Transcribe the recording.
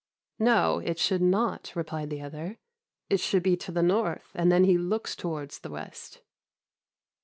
"'No, it should not,' replied the other; 'it should be to the north, and then he looks towards the west.